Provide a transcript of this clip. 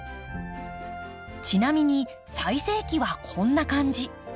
ちなみに最盛期はこんな感じ。